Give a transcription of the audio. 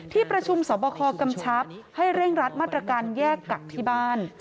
ที่ประชุมสอบคอกำชับให้เร่งรัดมาตรการแยกกักที่บ้าน